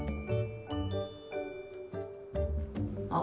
あっ！